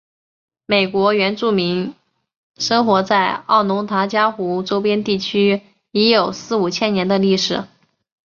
美国原住民生活在奥农达伽湖周边地区已有四五千年的历史。